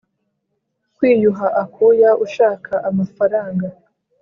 kwiyuha akuya ushaka amafaranga